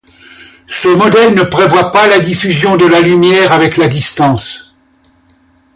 Ce modèle ne prévoit pas la diffusion de la lumière avec la distance.